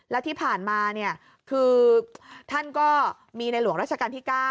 แล้วที่ผ่านมาคือท่านก็มีในหลวงราชการที่๙